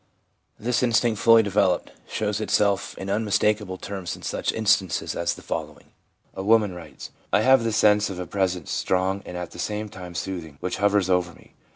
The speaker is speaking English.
This instinct fully developed shows itself in unmistakable terms in such instances as the following : a woman writes, ' I have the sense of a presence, strong, and at the same time soothing, which hovers over me.